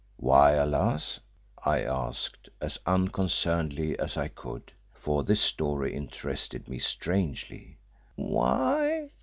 "Why alas?" I asked, as unconcernedly as I could, for this story interested me strangely. "Why?